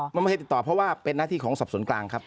มันไม่ได้ติดต่อเพราะว่าเป็นหน้าที่ของศัพท์สนกรรมครับ